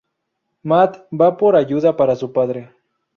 Matt va por ayuda para su padre.